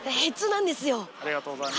ありがとうございます。